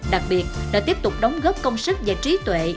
đặc biệt là tiếp tục đóng góp công sức và trí tuệ